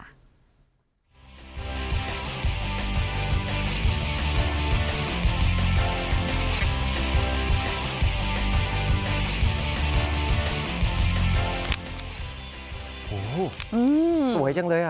โอ้โฮสวยจังเลย